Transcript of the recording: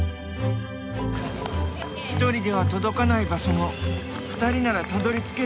１人では届かない場所も２人ならたどりつけるはず。